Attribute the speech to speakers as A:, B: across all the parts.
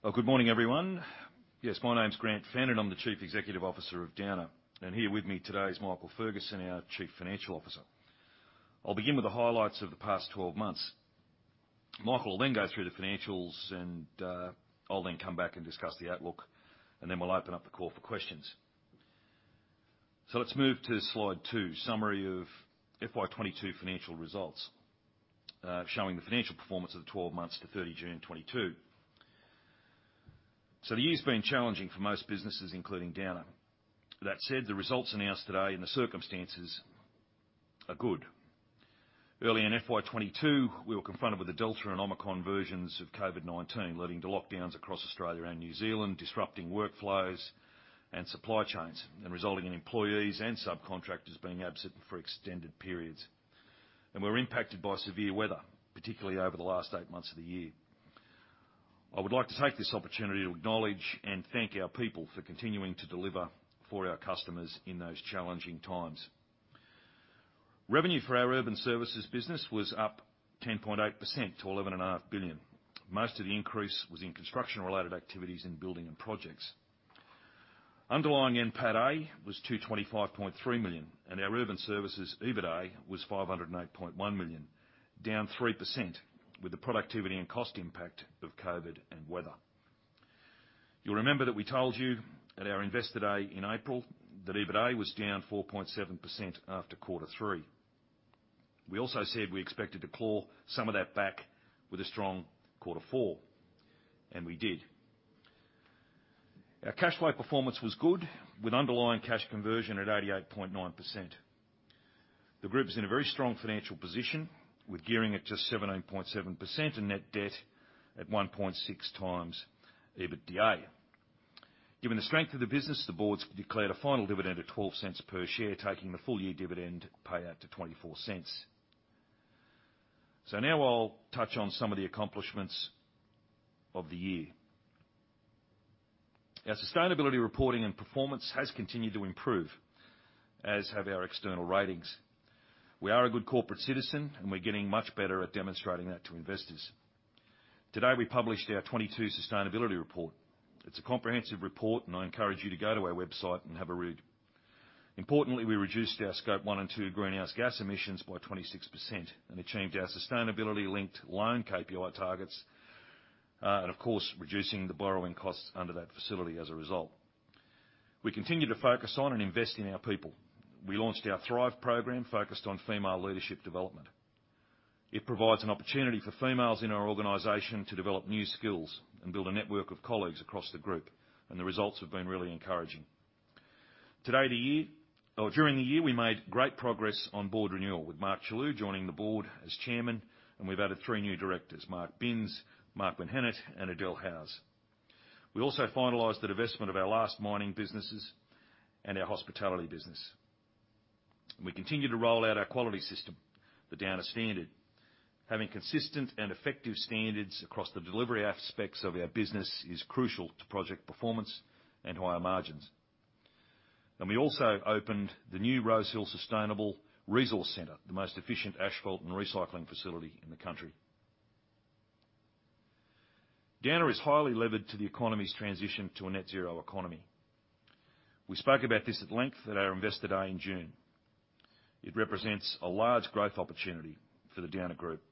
A: Well, good morning, everyone. Yes, my name's Grant Fenn and I'm the Chief Executive Officer of Downer. And here with me today is Michael Ferguson, our Chief Financial Officer. I'll begin with the highlights of the past 12 months. Michael will then go through the financials, and, I'll then come back and discuss the outlook, and then we'll open up the call for questions. Let's move to slide two, summary of FY 2022 financial results, showing the financial performance of the 12 months to June 30 2022. The year's been challenging for most businesses, including Downer. That said, the results announced today and the circumstances are good. Early in FY 2022, we were confronted with the Delta and Omicron versions of COVID-19, leading to lockdowns across Australia and New Zealand, disrupting workflows and supply chains, and resulting in employees and subcontractors being absent for extended periods. We were impacted by severe weather, particularly over the last eight months of the year. I would like to take this opportunity to acknowledge and thank our people for continuing to deliver for our customers in those challenging times. Revenue for our urban services business was up 10.8% to 11.5 billion. Most of the increase was in construction-related activities in building and projects. Underlying NPATA was 225.3 million, and our urban services EBITA was 508.1 million, down 3% with the productivity and cost impact of COVID and weather. You'll remember that we told you at our Investor Day in April that EBITA was down 4.7% after quarter three. We also said we expected to claw some of that back with a strong quarter four, and we did. Our cash flow performance was good, with underlying cash conversion at 88.9%. The group is in a very strong financial position, with gearing at just 17.7% and net debt at 1.6x EBITDA. Given the strength of the business, the boards declared a final dividend of 0.12 per share, taking the full-year dividend payout to 0.24. Now I'll touch on some of the accomplishments of the year. Our sustainability reporting and performance has continued to improve, as have our external ratings. We are a good corporate citizen, and we're getting much better at demonstrating that to investors. Today, we published our 2022 Sustainability Report. It's a comprehensive report, and I encourage you to go to our website and have a read. Importantly, we reduced our Scope 1 and 2 greenhouse gas emissions by 26% and achieved our sustainability-linked loan KPI targets. And of course, reducing the borrowing costs under that facility as a result. We continue to focus on and invest in our people. We launched our THRIVE program, focused on female leadership development. It provides an opportunity for females in our organization to develop new skills and build a network of colleagues across the group, and the results have been really encouraging. During the year, we made great progress on board renewal, with Mark Chellew joining the board as Chairman, and we've added three new directors, Mark Binns, Mark Menhinnitt, and Adelle Howse. We also finalized the divestment of our last mining businesses and our hospitality business. We continue to roll out our quality system, the Downer Standard. Having consistent and effective standards across the delivery aspects of our business is crucial to project performance and higher margins. We also opened the new Rosehill Sustainable Resource Centre, the most efficient asphalt and recycling facility in the country. Downer is highly levered to the economy's transition to a net zero economy. We spoke about this at length at our Investor Day in June. It represents a large growth opportunity for the Downer Group.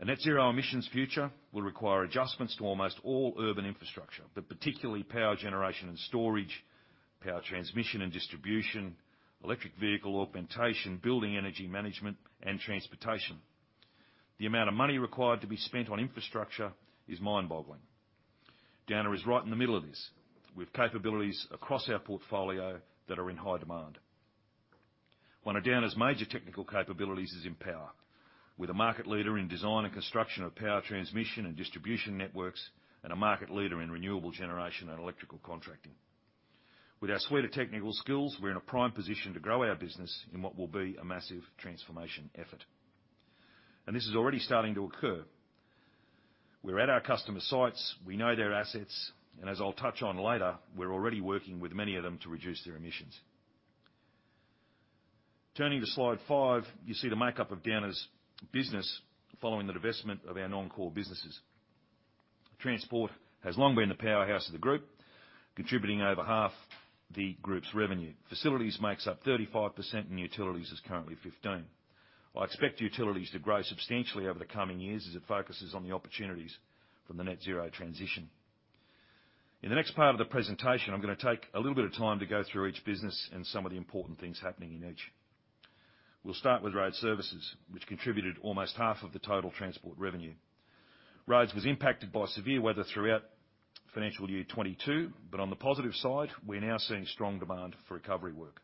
A: A net zero emissions future will require adjustments to almost all urban infrastructure, but particularly power generation and storage, power transmission and distribution, electric vehicle augmentation, building energy management, and transportation. The amount of money required to be spent on infrastructure is mind-boggling. Downer is right in the middle of this, with capabilities across our portfolio that are in high demand. One of Downer's major technical capabilities is in power, with a market leader in design and construction of power transmission and distribution networks, and a market leader in renewable generation and electrical contracting. With our suite of technical skills, we're in a prime position to grow our business in what will be a massive transformation effort. This is already starting to occur. We're at our customer sites, we know their assets, and as I'll touch on later, we're already working with many of them to reduce their emissions. Turning to slide five, you see the makeup of Downer EDI's business following the divestment of our non-core businesses. Transport has long been the powerhouse of the group, contributing over half the group's revenue. Facilities makes up 35%, and Utilities is currently 15%. I expect Utilities to grow substantially over the coming years as it focuses on the opportunities from the net zero transition. In the next part of the presentation, I'm gonna take a little bit of time to go through each business and some of the important things happening in each. We'll start with Road Services, which contributed almost half of the total transport revenue. Roads was impacted by severe weather throughout financial year 2022, but on the positive side, we're now seeing strong demand for recovery work.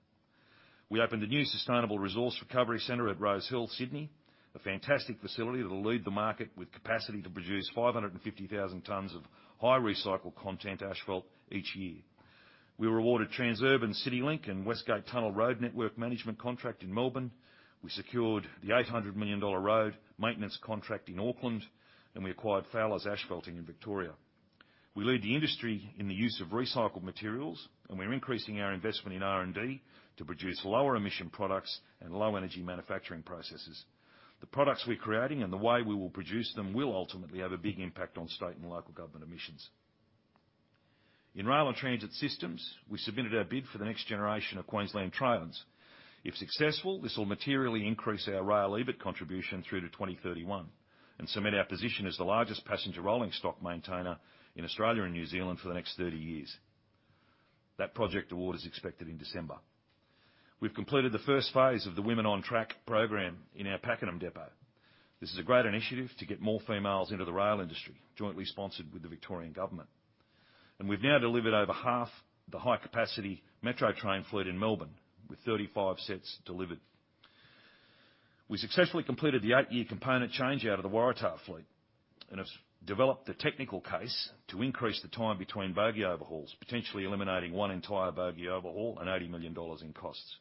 A: We opened a new Rosehill Sustainable Resource Center in Sydney, a fantastic facility that'll lead the market with capacity to produce 550,000 tons of high recycle content asphalt each year. We were awarded Transurban CityLink and West Gate Tunnel road network management contract in Melbourne. We secured the 800 million dollar road maintenance contract in Auckland, and we acquired Fowlers Asphalting in Victoria. We lead the industry in the use of recycled materials, and we're increasing our investment in R&D to produce lower emission products and low energy manufacturing processes. The products we're creating and the way we will produce them will ultimately have a big impact on state and local government emissions. In rail and transit systems, we submitted our bid for the next generation of Queensland trains. If successful, this will materially increase our rail EBIT contribution through to 2031 and cement our position as the largest passenger rolling stock maintainer in Australia and New Zealand for the next 30 years. That project award is expected in December. We've completed the first phase of the Women on Track program in our Pakenham depot. This is a great initiative to get more females into the rail industry, jointly sponsored with the Victorian Government. We've now delivered over half the High Capacity Metro Train fleet in Melbourne with 35 sets delivered. We successfully completed the eight-year component change out of the Waratah fleet and have developed a technical case to increase the time between bogie overhauls, potentially eliminating one entire bogie overhaul and 80 million dollars in costs.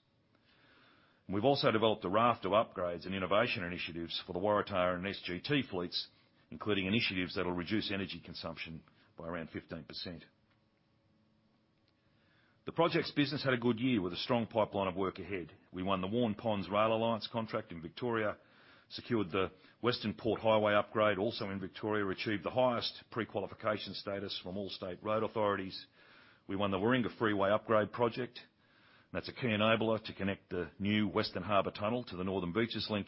A: We've also developed a raft of upgrades and innovation initiatives for the Waratah and SGT fleets, including initiatives that will reduce energy consumption by around 15%. The projects business had a good year with a strong pipeline of work ahead. We won the Waurn Ponds rail alliance contract in Victoria, secured the Western Port Highway upgrade, also in Victoria, achieved the highest pre-qualification status from all state road authorities. We won the Warringah Freeway upgrade project. That's a key enabler to connect the new Western Harbour Tunnel to the Northern Beaches Link.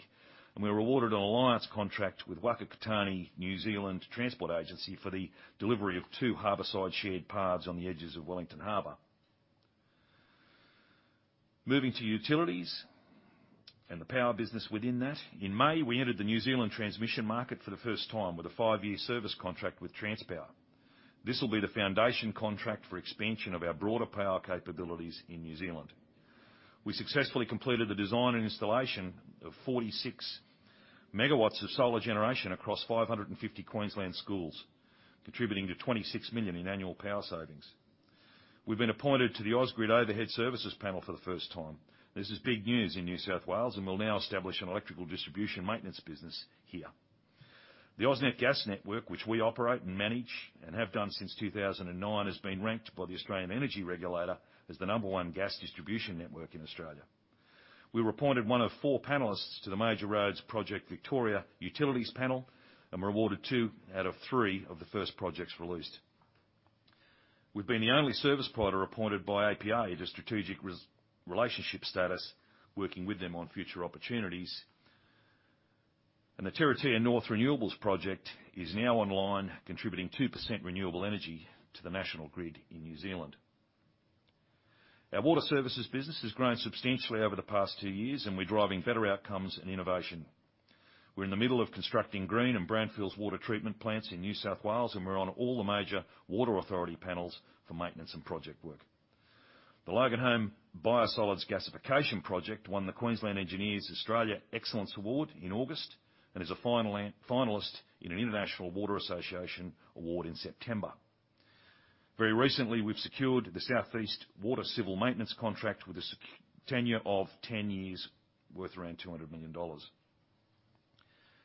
A: We were awarded an alliance contract with Waka Kotahi NZ Transport Agency for the delivery of two harborside shared paths on the edges of Wellington Harbour. Moving to utilities and the power business within that. In May, we entered the New Zealand transmission market for the first time with a five-year service contract with Transpower. This will be the foundation contract for expansion of our broader power capabilities in New Zealand. We successfully completed the design and installation of 46 MW of solar generation across 550 Queensland schools, contributing to 26 million in annual power savings. We've been appointed to the Ausgrid Overhead Services panel for the first time. This is big news in New South Wales, and we'll now establish an electrical distribution maintenance business here. The AusNet gas distribution network, which we operate and manage and have done since 2009, has been ranked by the Australian Energy Regulator as the number one gas distribution network in Australia. We were appointed one of four panelists to the Major Road Projects Victoria Utilities panel and were awarded two out of three of the first projects released. We've been the only service provider appointed by API to strategic relationship status, working with them on future opportunities. The Tararua North Renewables project is now online, contributing 2% renewable energy to the national grid in New Zealand. Our water services business has grown substantially over the past two years, and we're driving better outcomes and innovation. We're in the middle of constructing green and brownfields water treatment plants in New South Wales, and we're on all the major water authority panels for maintenance and project work. The Loganholme Biosolids Gasification Facility won the Queensland Engineers Australia Excellence Award in August and is a finalist in an International Water Association award in September. Very recently, we've secured the South East Water Civil Maintenance contract with a secure tenure of 10 years, worth around 200 million dollars.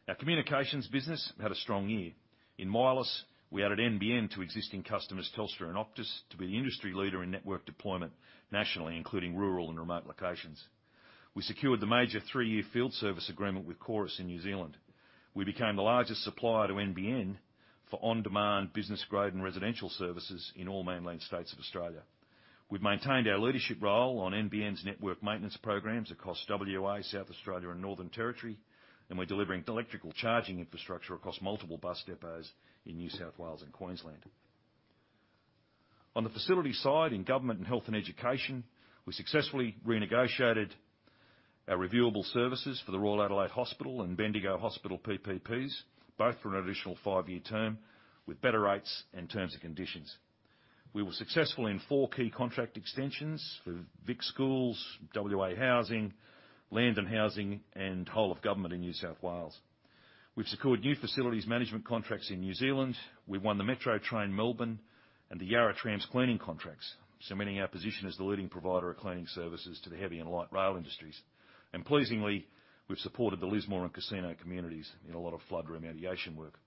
A: Our communications business had a strong year. In Wireless, we added NBN to existing customers, Telstra and Optus, to be the industry leader in network deployment nationally, including rural and remote locations. We secured the major three-year field service agreement with Chorus in New Zealand. We became the largest supplier to NBN for on-demand business grade and residential services in all mainland states of Australia. We've maintained our leadership role on NBN's network maintenance programs across WA, South Australia and Northern Territory, and we're delivering electrical charging infrastructure across multiple bus depots in New South Wales and Queensland. On the facility side, in government and health and education, we successfully renegotiated our reviewable services for the Royal Adelaide Hospital and Bendigo Hospital PPPs, both for an additional five-year term with better rates and terms and conditions. We were successful in four key contract extensions for Victorian Schools, WA Housing, Land and Housing, and whole of government in New South Wales. We've secured new facilities management contracts in New Zealand. We've won the Metro Trains Melbourne and the Yarra Trams cleaning contracts, cementing our position as the leading provider of cleaning services to the heavy and light rail industries. Pleasingly, we've supported the Lismore and Casino communities in a lot of flood remediation work.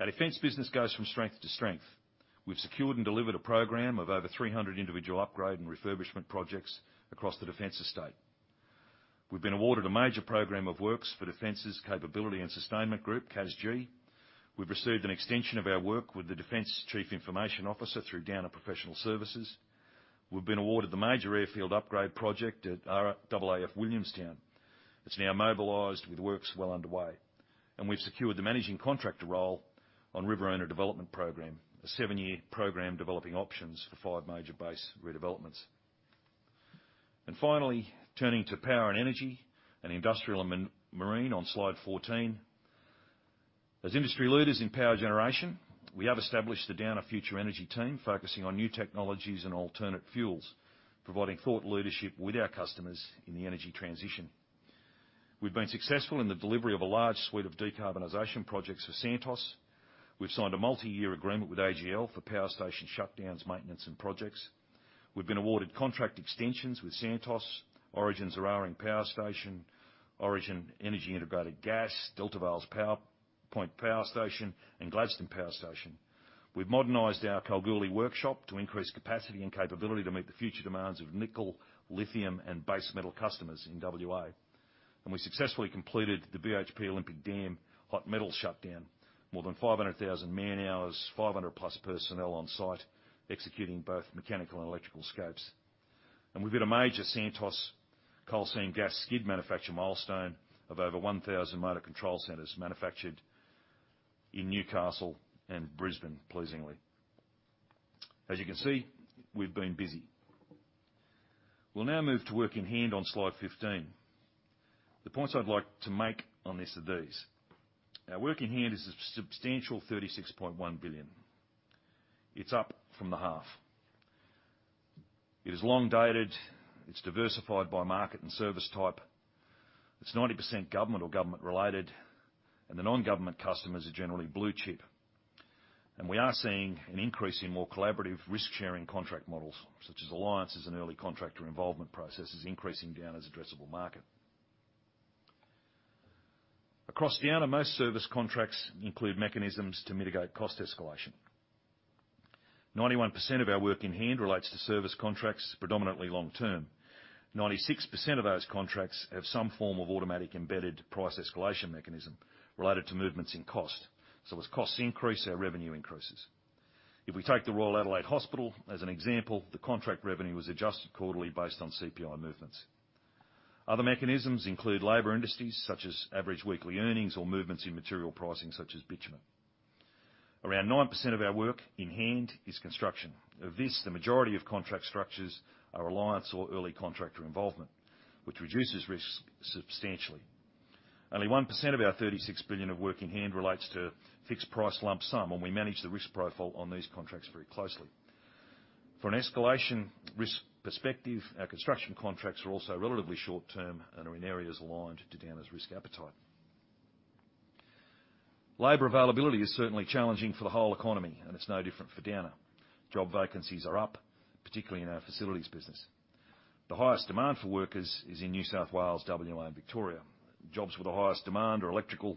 A: Our defense business goes from strength to strength. We've secured and delivered a program of over 300 individual upgrade and refurbishment projects across the defense estate. We've been awarded a major program of works for Defence's Capability Acquisition and Sustainment Group, CASG. We've received an extension of our work with the Defence Chief Information Officer through Downer Professional Services. We've been awarded the major airfield upgrade project at RAAF Base Williamtown. It's now mobilized with works well underway. We've secured the managing contractor role on Riverina Redevelopment Program, a seven-year program developing options for five major base redevelopments. Finally, turning to power and energy and industrial and mining and marine on slide 14. As industry leaders in power generation, we have established the Downer Future Energy team focusing on new technologies and alternate fuels, providing thought leadership with our customers in the energy transition. We've been successful in the delivery of a large suite of decarbonization projects for Santos. We've signed a multi-year agreement with AGL for power station shutdowns, maintenance, and projects. We've been awarded contract extensions with Santos, Origin's Eraring Power Station, Origin Energy Integrated Gas, Delta Electricity's Vales Point Power Station, and Gladstone Power Station. We've modernized our Kalgoorlie workshop to increase capacity and capability to meet the future demands of nickel, lithium, and base metal customers in WA. We successfully completed the BHP Olympic Dam hot metal shutdown. More than 500,000 man-hours, 500+ personnel on site executing both mechanical and electrical scopes. We've got a major Santos coal seam gas skid manufacture milestone of over 1,000 motor control centers manufactured in Newcastle and Brisbane, pleasingly. As you can see, we've been busy. We'll now move to work in hand on slide 15. The points I'd like to make on this are these. Our work in hand is a substantial 36.1 billion. It's up from the half. It's long dated. It's diversified by market and service type. It's 90% government or government-related, and the non-government customers are generally blue chip. We are seeing an increase in more collaborative risk-sharing contract models, such as alliances and early contractor involvement processes increasing Downer's addressable market. Across Downer, most service contracts include mechanisms to mitigate cost escalation. 91% of our work in hand relates to service contracts, predominantly long term. 96% of those contracts have some form of automatic embedded price escalation mechanism related to movements in cost. As costs increase, our revenue increases. If we take the Royal Adelaide Hospital as an example, the contract revenue was adjusted quarterly based on CPI movements. Other mechanisms include labor industries, such as average weekly earnings or movements in material pricing, such as bitumen. Around 9% of our work in hand is construction. Of this, the majority of contract structures are alliance or early contractor involvement, which reduces risk substantially. Only 1% of our 36 billion of work in hand relates to fixed price lump sum, and we manage the risk profile on these contracts very closely. For an escalation risk perspective, our construction contracts are also relatively short term and are in areas aligned to Downer's risk appetite. Labor availability is certainly challenging for the whole economy, and it's no different for Downer. Job vacancies are up, particularly in our facilities business. The highest demand for workers is in New South Wales, WA, and Victoria. Jobs with the highest demand are electrical,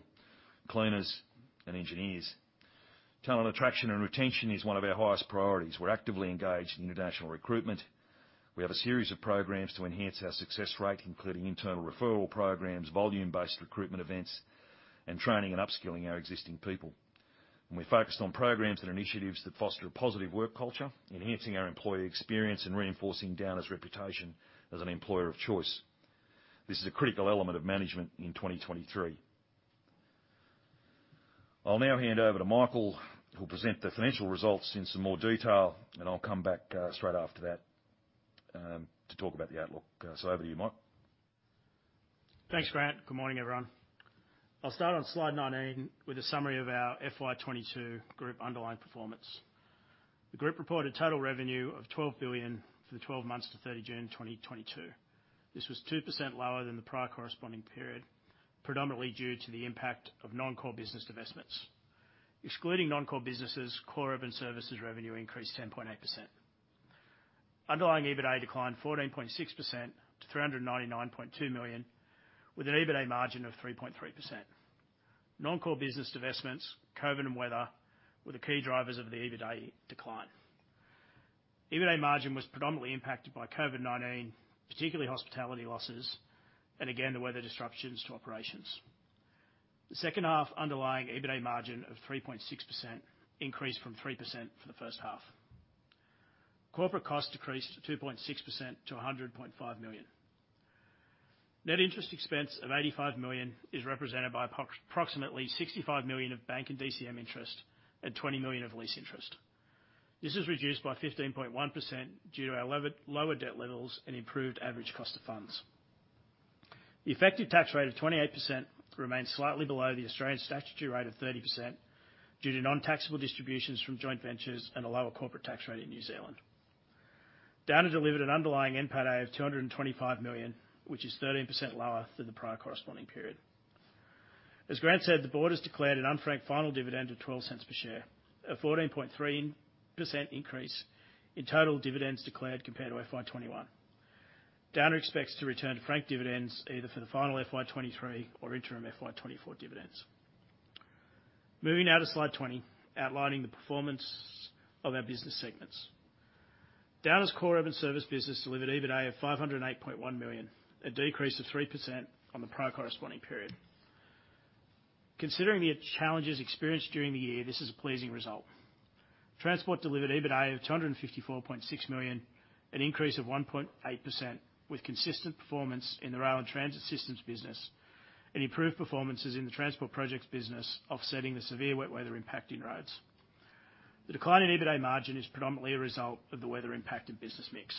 A: cleaners, and engineers. Talent attraction and retention is one of our highest priorities. We're actively engaged in international recruitment. We have a series of programs to enhance our success rate, including internal referral programs, volume-based recruitment events, and training and upskilling our existing people. We're focused on programs and initiatives that foster a positive work culture, enhancing our employee experience and reinforcing Downer's reputation as an employer of choice. This is a critical element of management in 2023. I'll now hand over to Michael, who'll present the financial results in some more detail, and I'll come back straight after that to talk about the outlook. So over to you, Mike.
B: Thanks, Grant. Good morning, everyone. I'll start on slide 19 with a summary of our FY 2022 group underlying performance. The group reported total revenue of 12 billion for the 12 months to June 30 2022. This was 2% lower than the prior corresponding period, predominantly due to the impact of non-core business divestments. Excluding non-core businesses, core urban services revenue increased 10.8%. Underlying EBITA declined 14.6% to 399.2 million, with an EBITA margin of 3.3%. Non-core business divestments, COVID-19 and weather were the key drivers of the EBITA decline. EBITA margin was predominantly impacted by COVID-19, particularly hospitality losses, and again, the weather disruptions to operations. The second half underlying EBITA margin of 3.6% increased from 3% for the first half. Corporate costs decreased 2.6% to 100.5 million. Net interest expense of 85 million is represented by approximately 65 million of bank and DCM interest and 20 million of lease interest. This is reduced by 15.1% due to our lower debt levels and improved average cost of funds. The effective tax rate of 28% remains slightly below the Australian statutory rate of 30% due to non-taxable distributions from joint ventures and a lower corporate tax rate in New Zealand. Downer delivered an underlying NPATA of 225 million, which is 13% lower than the prior corresponding period. As Grant said, the board has declared an unfranked final dividend of 0.12 per share, a 14.3% increase in total dividends declared compared to FY 2021. Downer expects to return to franked dividends either for the final FY 2023 or interim FY 2024 dividends. Moving now to slide 20, outlining the performance of our business segments. Downer's core urban service business delivered EBITA of 508.1 million, a decrease of 3% on the prior corresponding period. Considering the challenges experienced during the year, this is a pleasing result. Transport delivered EBITA of 254.6 million, an increase of 1.8%, with consistent performance in the rail and transit systems business and improved performances in the transport projects business offsetting the severe wet weather impact in roads. The decline in EBITA margin is predominantly a result of the weather impact and business mix.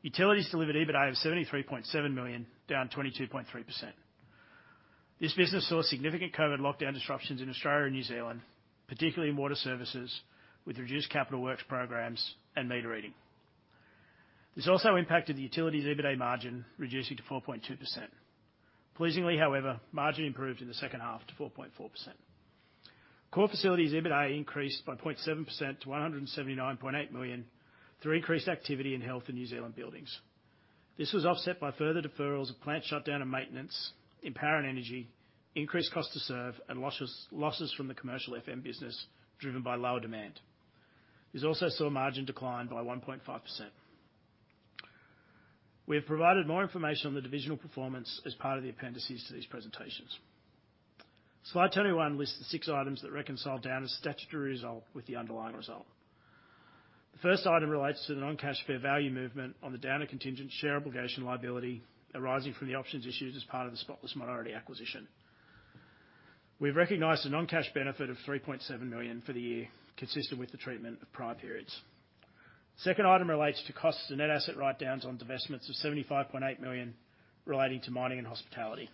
B: Utilities delivered EBITA of 73.7 million, down 22.3%. This business saw significant COVID lockdown disruptions in Australia and New Zealand, particularly in water services with reduced capital works programs and meter reading. This also impacted the utilities' EBITA margin, reducing to 4.2%. Pleasingly, however, margin improved in the second half to 4.4%. Core facilities EBITA increased by 0.7% to 179.8 million through increased activity in health and New Zealand buildings. This was offset by further deferrals of plant shutdown and maintenance in power and energy, increased cost to serve and losses from the commercial FM business driven by lower demand. This also saw margin decline by 1.5%. We have provided more information on the divisional performance as part of the appendices to these presentations. Slide 21 lists the six items that reconcile Downer's statutory result with the underlying result. The first item relates to the non-cash fair value movement on the Downer contingent share obligation liability arising from the options issues as part of the Spotless minority acquisition. We've recognized a non-cash benefit of 3.7 million for the year consistent with the treatment of prior periods. Second item relates to costs and net asset write downs on divestments of 75.8 million relating to mining and hospitality.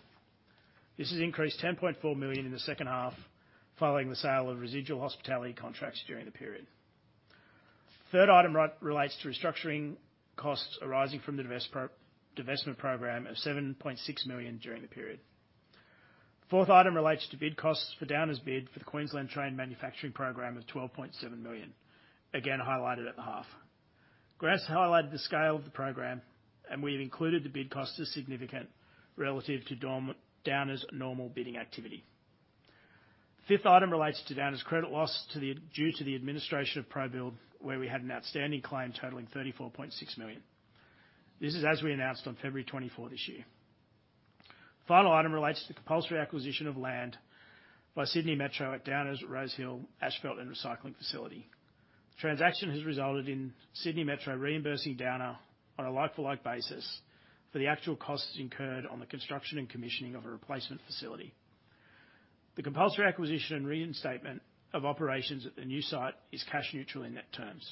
B: This has increased 10.4 million in the second half following the sale of residual hospitality contracts during the period. Third item relates to restructuring costs arising from the divestment program of 7.6 million during the period. The fourth item relates to bid costs for Downer's bid for the Queensland Train Manufacturing Program of 12.7 million, again highlighted at the half. Grant's highlighted the scale of the program and we have included the bid cost as significant relative to Downer's normal bidding activity. Fifth item relates to Downer's credit loss due to the administration of ProBuild, where we had an outstanding claim totaling AUD 34.6 million. This is as we announced on February 24 this year. Final item relates to the compulsory acquisition of land by Sydney Metro at Downer's Rosehill Sustainable Road Resource Centre. The transaction has resulted in Sydney Metro reimbursing Downer on a like-for-like basis for the actual costs incurred on the construction and commissioning of a replacement facility. The compulsory acquisition and reinstatement of operations at the new site is cash neutral in net terms.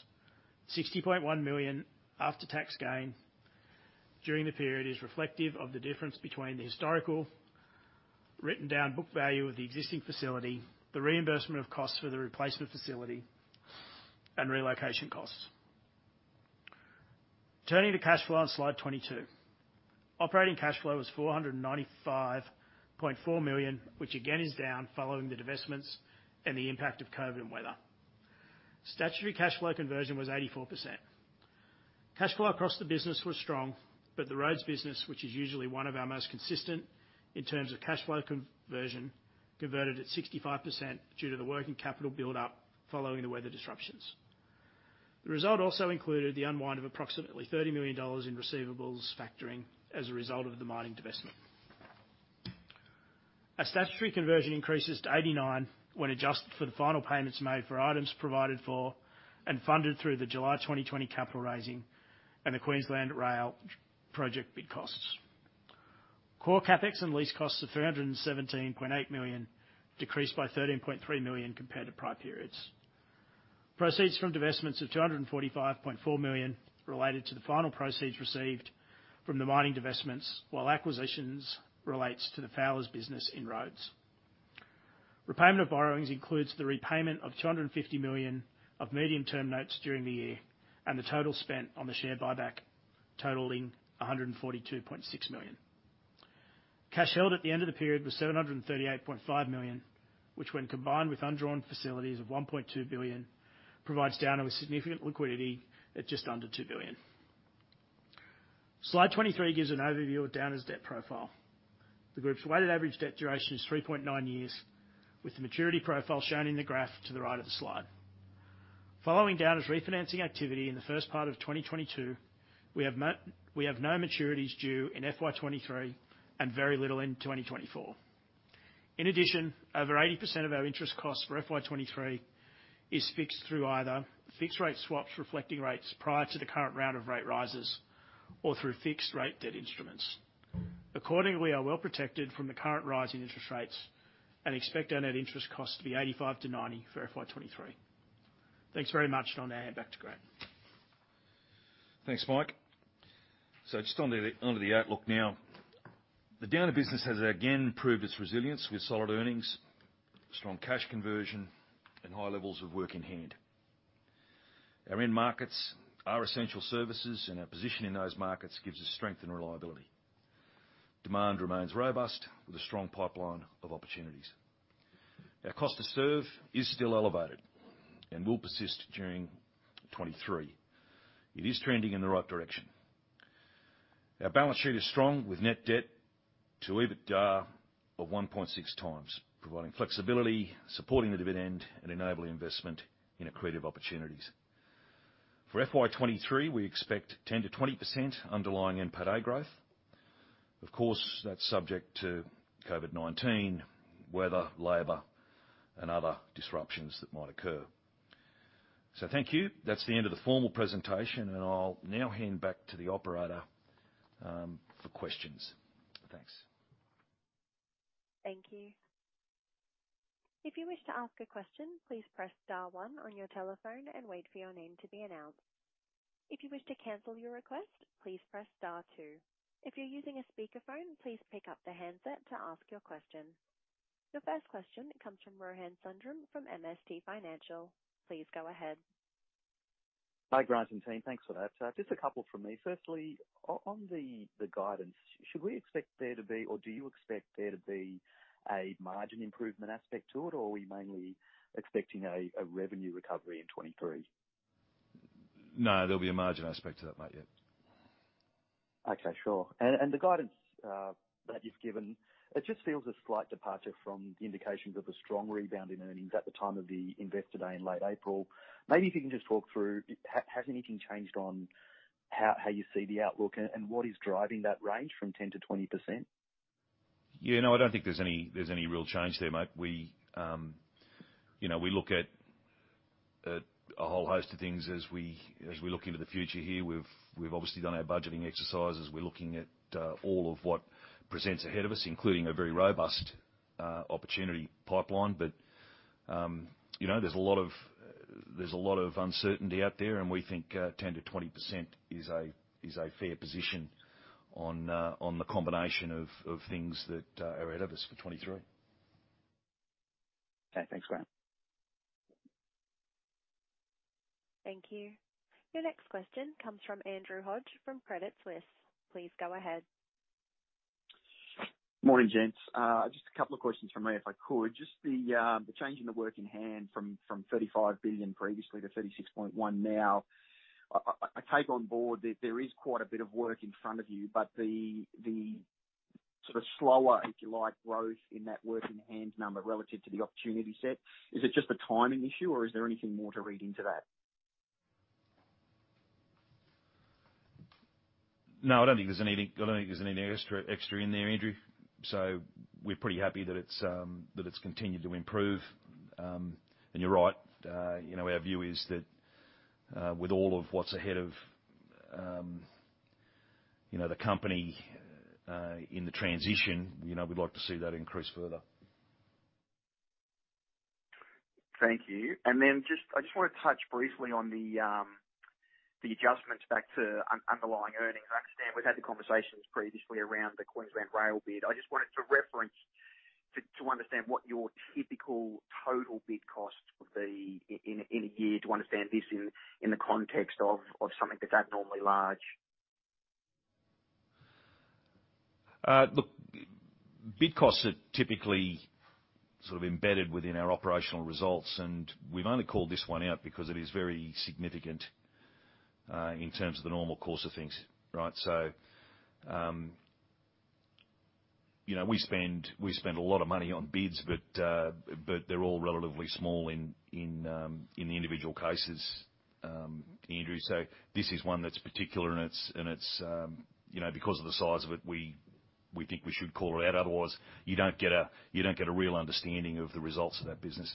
B: 60.1 million after-tax gain during the period is reflective of the difference between the historical written down book value of the existing facility, the reimbursement of costs for the replacement facility and relocation costs. Turning to cash flow on slide 22. Operating cash flow was 495.4 million, which again is down following the divestments and the impact of COVID and weather. Statutory cash flow conversion was 84%. Cash flow across the business was strong, but the roads business, which is usually one of our most consistent in terms of cash flow conversion, converted at 65% due to the working capital build up following the weather disruptions. The result also included the unwind of approximately AUD 30 million in receivables factoring as a result of the mining divestment. Our statutory conversion increases to 89 when adjusted for the final payments made for items provided for and funded through the July 2020 capital raising and the Queensland Rail project bid costs. Core CapEx and lease costs of 317.8 million decreased by 13.3 million compared to prior periods. Proceeds from divestments of 245.4 million related to the final proceeds received from the mining divestments, while acquisitions relates to the Fowlers business in roads. Repayment of borrowings includes the repayment of 250 million of medium-term notes during the year and the total spent on the share buyback totaling 142.6 million. Cash held at the end of the period was 738.5 million, which when combined with undrawn facilities of 1.2 billion, provides Downer with significant liquidity at just under 2 billion. Slide 23 gives an overview of Downer's debt profile. The group's weighted average debt duration is 3.9 years, with the maturity profile shown in the graph to the right of the slide. Following Downer's refinancing activity in the first part of 2022, we have no maturities due in FY 2023 and very little in 2024. In addition, over 80% of our interest costs for FY 2023 is fixed through either fixed rate swaps reflecting rates prior to the current round of rate rises or through fixed rate debt instruments. Accordingly, we are well protected from the current rise in interest rates and expect our net interest costs to be 85-90 for FY 2023. Thanks very much. I'll hand back to Grant.
A: Thanks, Mike. Just on to the outlook now. The Downer business has again proved its resilience with solid earnings, strong cash conversion and high levels of work in hand. Our end markets are essential services and our position in those markets gives us strength and reliability. Demand remains robust with a strong pipeline of opportunities. Our cost to serve is still elevated and will persist during 2023. It is trending in the right direction. Our balance sheet is strong with net debt to EBITDA of 1.6x, providing flexibility, supporting the dividend and enabling investment in accretive opportunities. For FY 2023, we expect 10%-20% underlying NPATA growth. Of course, that's subject to COVID-19, weather, labor and other disruptions that might occur. Thank you. That's the end of the formal presentation, and I'll now hand back to the operator for questions. Thanks.
C: Thank you. If you wish to ask a question, please press star one on your telephone and wait for your name to be announced. If you wish to cancel your request, please press star two. If you're using a speakerphone, please pick up the handset to ask your question. The first question comes from Rohan Sundram from MST Financial. Please go ahead.
D: Hi, Grant and team. Thanks for that. Just a couple from me. Firstly, on the guidance, should we expect there to be, or do you expect there to be a margin improvement aspect to it, or are we mainly expecting a revenue recovery in 2023?
A: No, there'll be a margin aspect to that, mate, yeah.
D: Okay, sure. The guidance that you've given, it just feels a slight departure from the indications of a strong rebound in earnings at the time of the investor day in late April. Maybe if you can just talk through has anything changed on how you see the outlook and what is driving that range from 10%-20%?
A: Yeah, no, I don't think there's any real change there, mate. You know, we look at a whole host of things as we look into the future here. We've obviously done our budgeting exercises. We're looking at all of what presents ahead of us, including a very robust opportunity pipeline. You know, there's a lot of uncertainty out there, and we think 10%-20% is a fair position on the combination of things that are ahead of us for 2023.
D: Okay, thanks, Grant.
C: Thank you. Your next question comes from Andrew Hodge from Credit Suisse. Please go ahead.
E: Morning, gents. Just a couple of questions from me if I could. Just the change in the work in hand from 35 billion previously to 36.1 billion now. I take on board that there is quite a bit of work in front of you, but the sort of slower, if you like, growth in that work in hand number relative to the opportunity set, is it just a timing issue, or is there anything more to read into that?
A: No, I don't think there's anything extra in there, Andrew. We're pretty happy that it's continued to improve. You're right. You know, our view is that, with all of what's ahead of, you know, the company, in the transition, you know, we'd like to see that increase further.
E: Thank you. I just want to touch briefly on the adjustments back to underlying earnings. I understand we've had the conversations previously around the Queensland Rail bid. I just wanted to refer to understand what your typical total bid cost would be in a year to understand this in the context of something that's abnormally large.
A: Look, bid costs are typically sort of embedded within our operational results, and we've only called this one out because it is very significant in terms of the normal course of things, right? You know, we spend a lot of money on bids, but they're all relatively small in the individual cases, Andrew. This is one that's particular, and it's, you know, because of the size of it, we think we should call it out. Otherwise, you don't get a real understanding of the results of that business.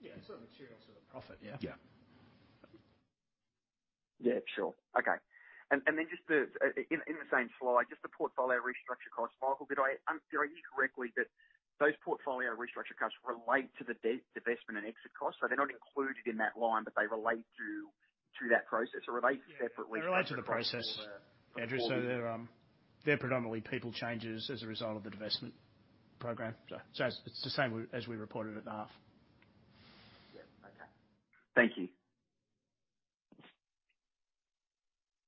B: Yeah, it's not material to the profit, yeah.
A: Yeah.
E: Yeah, sure. Okay. Just in the same slide, just the portfolio restructuring cost. Michael, did I hear you correctly that those portfolio restructuring costs relate to the divestment and exit costs? So they're not included in that line, but they relate to that process or relate separately?
B: Yeah. They relate to the process, Andrew. They're predominantly people changes as a result of the divestment program. It's the same as we reported at the half.
E: Yeah. Okay. Thank you.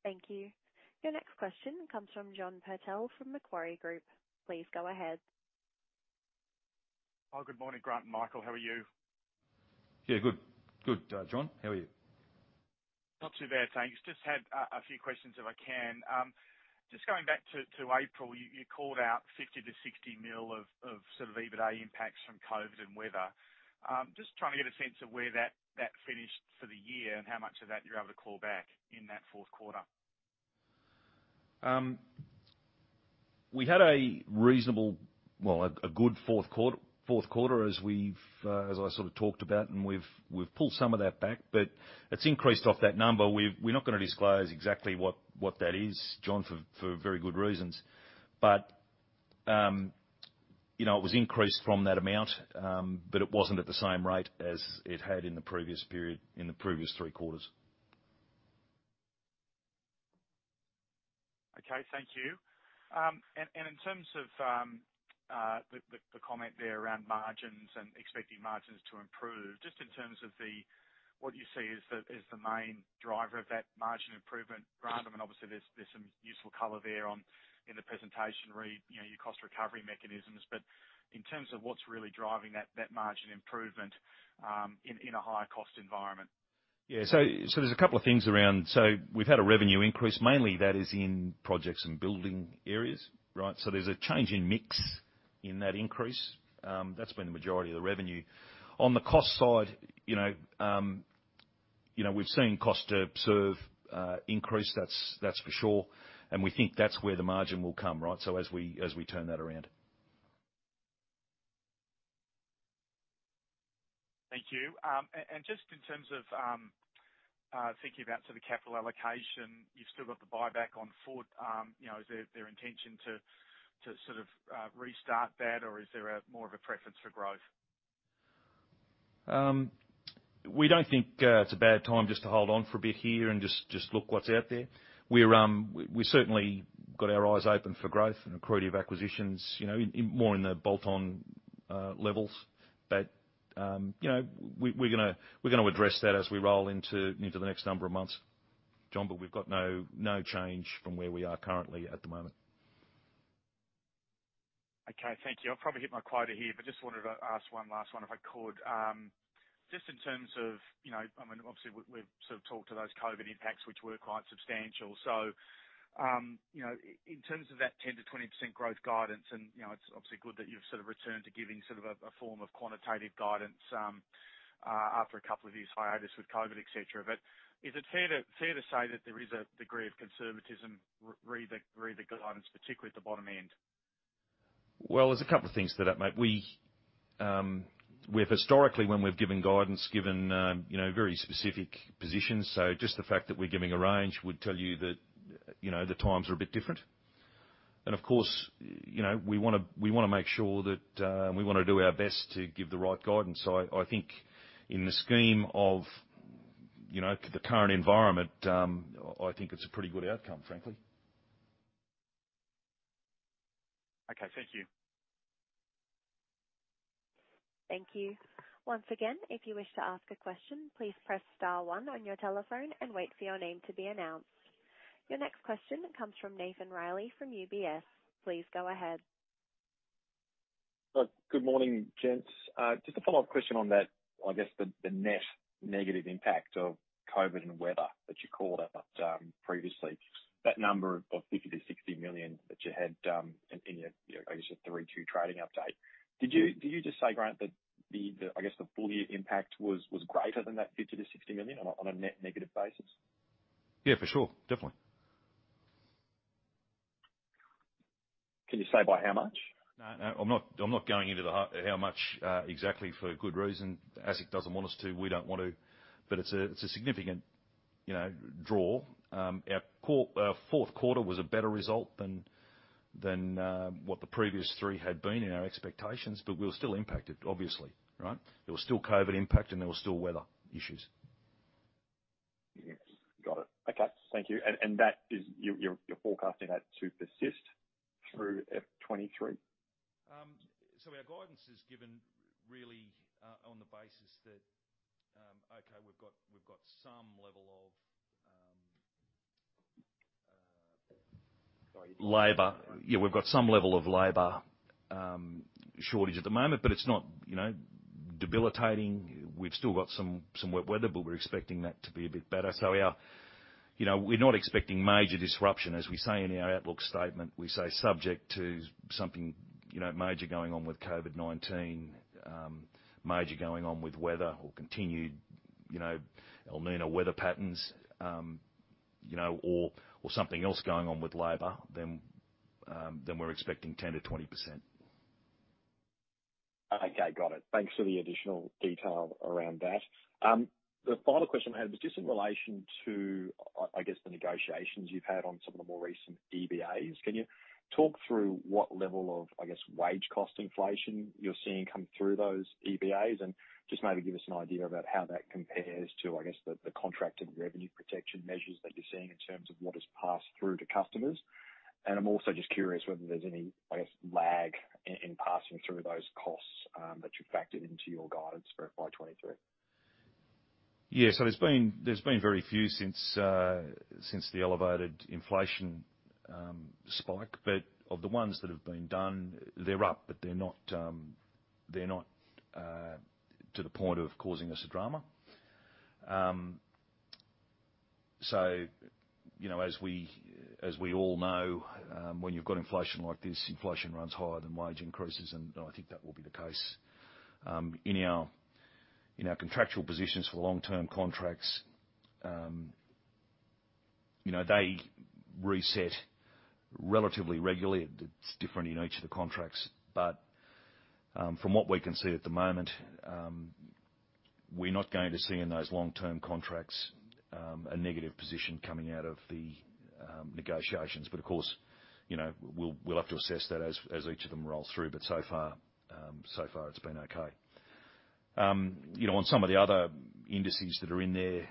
C: Thank you. Your next question comes from John Purtell from Macquarie Group. Please go ahead.
F: Oh, good morning, Grant and Michael. How are you?
A: Yeah, good. Good, John. How are you?
F: Not too bad, thanks. Just had a few questions if I can. Just going back to April, you called out 50 million-60 million of sort of EBITDA impacts from COVID and weather. Just trying to get a sense of where that finished for the year and how much of that you're able to claw back in that fourth quarter.
A: We had a reasonable, well, a good fourth quarter as we've as I sort of talked about, and we've pulled some of that back. It's increased off that number. We're not gonna disclose exactly what that is, John, for very good reasons. You know, it was increased from that amount, but it wasn't at the same rate as it had in the previous period, in the previous three quarters.
F: Okay, thank you. And in terms of the comment there around margins and expecting margins to improve, just in terms of what you see as the main driver of that margin improvement, Grant? I mean, obviously there's some useful color there on, in the presentation re, you know, your cost recovery mechanisms. But in terms of what's really driving that margin improvement, in a higher cost environment.
A: There's a couple of things. We've had a revenue increase, mainly that is in projects and building areas, right? There's a change in mix in that increase. That's been the majority of the revenue. On the cost side, you know, we've seen cost to serve increase, that's for sure. We think that's where the margin will come, right? As we turn that around.
F: Thank you. Just in terms of thinking about sort of capital allocation, you've still got the buyback on foot. You know, is there an intention to sort of restart that, or is there a more of a preference for growth?
A: We don't think it's a bad time just to hold on for a bit here and just look what's out there. We've certainly got our eyes open for growth and accretive acquisitions, you know, in more bolt-on levels. You know, we're gonna address that as we roll into the next number of months, John. We've got no change from where we are currently at the moment.
F: Okay, thank you. I'll probably hit my quota here, but just wanted to ask one last one if I could. Just in terms of, you know, I mean, obviously we've sort of talked to those COVID impacts which were quite substantial. You know, in terms of that 10%-20% growth guidance, and, you know, it's obviously good that you've sort of returned to giving sort of a form of quantitative guidance after a couple of years' hiatus with COVID, et cetera. Is it fair to say that there is a degree of conservatism regarding the guidance, particularly at the bottom end?
A: Well, there's a couple of things to that, mate. We've historically, when we've given guidance, given you know, very specific positions. Just the fact that we're giving a range would tell you that, you know, the times are a bit different. Of course, you know, we wanna make sure that we wanna do our best to give the right guidance. I think in the scheme of, you know, to the current environment, I think it's a pretty good outcome, frankly.
F: Okay. Thank you.
C: Thank you. Once again, if you wish to ask a question, please press star one on your telephone and wait for your name to be announced. Your next question comes from Nathan Reilly from UBS. Please go ahead.
G: Good morning, gents. Just a follow-up question on that, I guess the net negative impact of COVID and weather that you called out, previously. That number of 50 million -60 million that you had in your, you know, I guess your Q3 trading update. Did you-
A: Yeah.
G: Did you just say, Grant, that I guess the full year impact was greater than that 50 million-60 million on a net negative basis?
A: Yeah, for sure. Definitely.
G: Can you say by how much?
A: No, no, I'm not going into the how much exactly for good reason. ASIC doesn't want us to. We don't want to. It's a significant, you know, draw. Our fourth quarter was a better result than what the previous three had been in our expectations, but we were still impacted, obviously, right? There was still COVID impact, and there was still weather issues.
G: Yes. Got it. Okay. Thank you. You're forecasting that to persist through FY 2023?
A: Our guidance is given really on the basis that, okay, we've got some level of labor shortage at the moment, but it's not, you know, debilitating. We've still got some wet weather, but we're expecting that to be a bit better. You know, we're not expecting major disruption. As we say in our outlook statement, we say subject to something, you know, major going on with COVID-19, major going on with weather or continued, you know, La Niña weather patterns, you know, or something else going on with labor than we're expecting 10%-20%.
G: Okay, got it. Thanks for the additional detail around that. The final question I had was just in relation to, I guess, the negotiations you've had on some of the more recent EBAs. Can you talk through what level of, I guess, wage cost inflation you're seeing come through those EBAs and just maybe give us an idea about how that compares to, I guess, the contracted revenue protection measures that you're seeing in terms of what is passed through to customers? I'm also just curious whether there's any, I guess, lag in passing through those costs that you've factored into your guidance for FY 2023.
A: Yeah, there's been very few since the elevated inflation spike. Of the ones that have been done, they're up, but they're not to the point of causing us a drama. You know, as we all know, when you've got inflation like this, inflation runs higher than wage increases, and I think that will be the case in our contractual positions for long-term contracts. You know, they reset relatively regularly. It's different in each of the contracts. From what we can see at the moment, we're not going to see in those long-term contracts a negative position coming out of the negotiations. Of course, you know, we'll have to assess that as each of them rolls through. So far it's been okay. You know, on some of the other indices that are in there,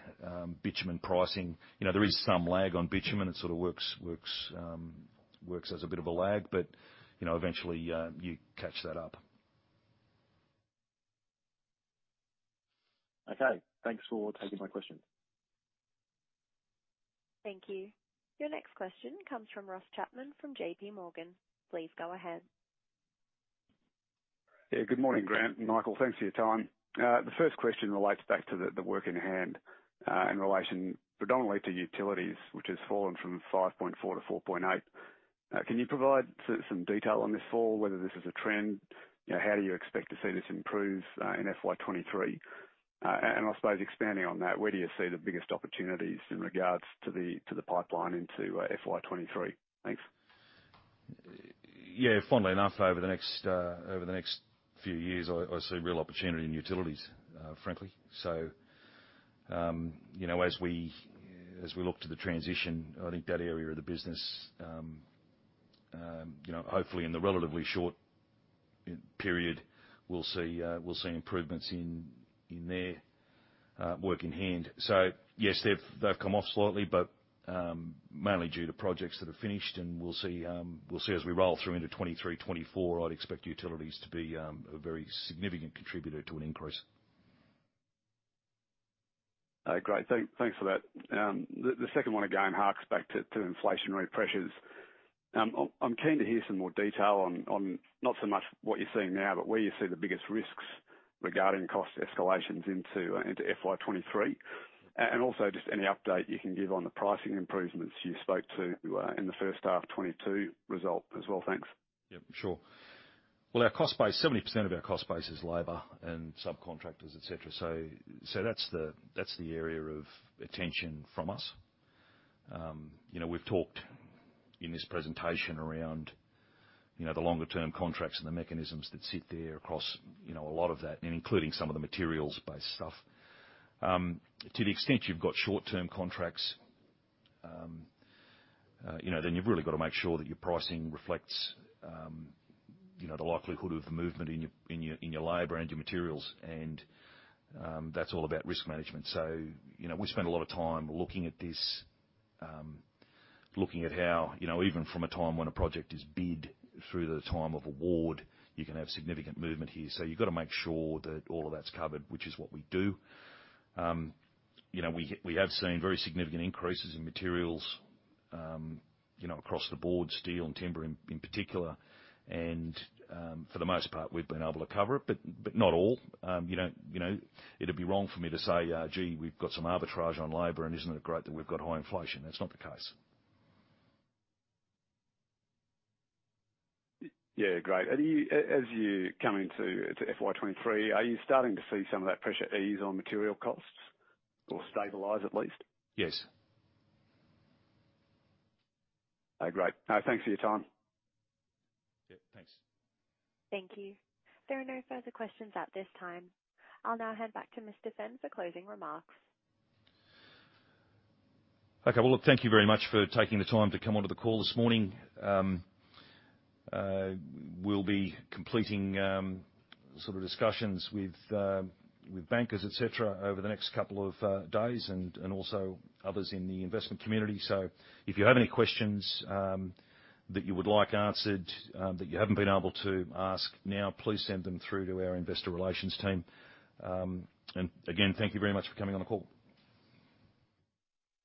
A: bitumen pricing, you know, there is some lag on bitumen. It sort of works as a bit of a lag, but you know, eventually you catch that up.
G: Okay. Thanks for taking my question.
C: Thank you. Your next question comes from Ross Chapman from JPMorgan. Please go ahead.
H: Yeah, good morning, Grant and Michael. Thanks for your time. The first question relates back to the work in hand in relation predominantly to utilities, which has fallen from 5.4-4.8. Can you provide some detail on this fall, whether this is a trend? You know, how do you expect to see this improve in FY 2023? I suppose expanding on that, where do you see the biggest opportunities in regards to the pipeline into FY 2023? Thanks.
A: Yeah, funnily enough, over the next few years, I see real opportunity in utilities, frankly. You know, as we look to the transition, I think that area of the business, you know, hopefully in the relatively short period, we'll see improvements in there. Work in hand. Yes, they've come off slightly, but mainly due to projects that have finished, and we'll see as we roll through into 2023, 2024, I'd expect utilities to be a very significant contributor to an increase.
H: Great. Thanks for that. The second one again harks back to inflationary pressures. I'm keen to hear some more detail on not so much what you're seeing now, but where you see the biggest risks regarding cost escalations into FY 2023.
A: Mm.
H: Also just any update you can give on the pricing improvements you spoke to, in the first half of 2022 result as well. Thanks.
A: Yep, sure. Well, our cost base, 70% of our cost base is labor and subcontractors, et cetera, so that's the area of attention from us. You know, we've talked in this presentation around, you know, the longer term contracts and the mechanisms that sit there across, you know, a lot of that, and including some of the materials-based stuff. To the extent you've got short-term contracts, you know, then you've really gotta make sure that your pricing reflects, you know, the likelihood of the movement in your labor and your materials. That's all about risk management. You know, we spend a lot of time looking at this, looking at how, you know, even from a time when a project is bid through the time of award, you can have significant movement here. You've gotta make sure that all of that's covered, which is what we do. You know, we have seen very significant increases in materials, you know, across the board, steel and timber in particular. For the most part, we've been able to cover it, but not all. You don't, you know, it'd be wrong for me to say, "Gee, we've got some arbitrage on labor, and isn't it great that we've got high inflation?" That's not the case.
H: Yeah, great. As you come into FY 2023, are you starting to see some of that pressure ease on material costs or stabilize at least?
A: Yes.
H: Great. Thanks for your time.
A: Yeah, thanks.
C: Thank you. There are no further questions at this time. I'll now hand back to Mr. Fenn for closing remarks.
A: Okay. Well, look, thank you very much for taking the time to come onto the call this morning. We'll be completing sort of discussions with bankers, et cetera, over the next couple of days and also others in the investment community. If you have any questions that you would like answered that you haven't been able to ask now, please send them through to our investor relations team. Again, thank you very much for coming on the call.